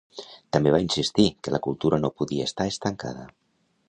També va insistir que la cultura no podia estar estancada.